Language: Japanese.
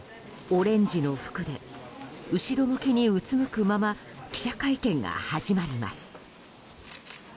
オレンジの服で後ろ向きにうつむくまま記者会見が始まります。